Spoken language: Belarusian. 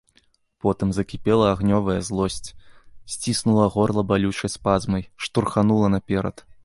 Потым закіпела агнёвая злосць, сціснула горла балючай спазмай, штурханула наперад.